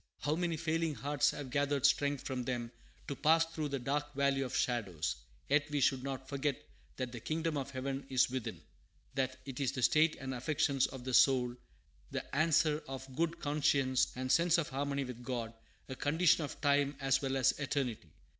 How many failing hearts have gathered strength from them to pass through the dark valley of shadows! Yet we should not forget that "the kingdom of heaven is within;" that it is the state and affections of the soul, the answer of a good conscience, the sense of harmony with God, a condition of time as well as of eternity.